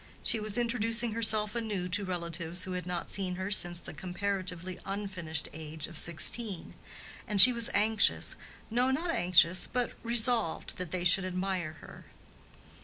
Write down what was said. She was introducing herself anew to relatives who had not seen her since the comparatively unfinished age of sixteen, and she was anxious—no, not anxious, but resolved that they should admire her.